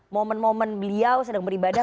momen momen beliau sedang beribadah